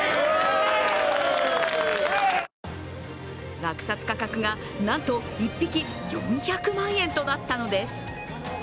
落札価格が、なんと１匹、４００万円となったのです。